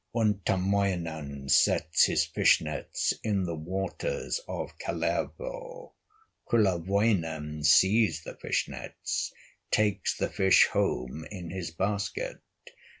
Untamoinen sets his fish nets In the waters of Kalervo; Kullerwoinen sees the fish nets, Takes the fish home in his basket.